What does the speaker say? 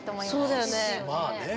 そうだよねえ。